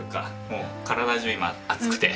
もう体中今熱くて。